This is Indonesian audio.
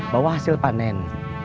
bahwa hasil panen